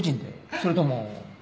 それとも。